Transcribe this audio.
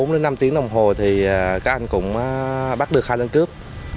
bốn đến năm tiếng đồng hồ thì các anh cũng bắt được hai lần cướp